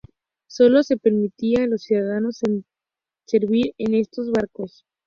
Sólo se permitía a los ciudadanos servir en estos barcos.